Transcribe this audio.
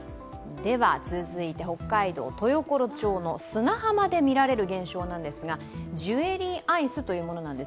では続いて北海道豊頃町の砂浜で見られる現象なんですが、ジュエリーアイスというものなんです。